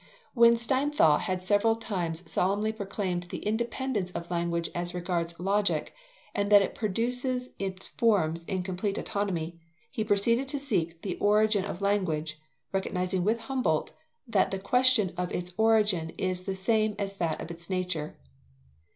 When Steinthal had several times solemnly proclaimed the independence of language as regards Logic, and that it produces its forms in complete autonomy, he proceeded to seek the origin of language, recognizing with Humboldt that the question of Its origin is the same as that of its nature.